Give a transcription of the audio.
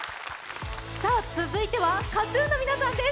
続いては、ＫＡＴ−ＴＵＮの皆さんです。